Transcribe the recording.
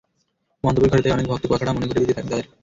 মন্তব্যের ঘরে তাই অনেক ভক্ত কথাটা মনে করিয়ে দিতে থাকেন তাঁদের।